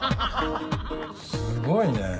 すごいね。